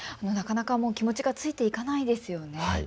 なかなかもう気持ちがついていかないですよね。